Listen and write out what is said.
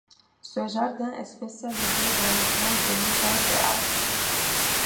Ce jardin est spécialisé dans les plantes de montagne et arctique.